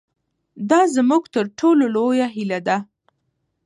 دا زموږ تر ټولو لویه هیله ده.